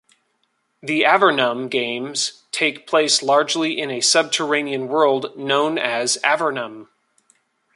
The "Avernum" games take place largely in a subterranean world known as Avernum.